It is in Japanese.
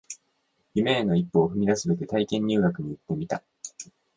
夢への一歩を踏み出すべく体験入学に行ってみた